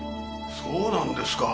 そうなんですか。